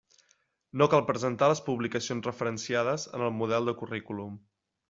No cal presentar les publicacions referenciades en el model de currículum.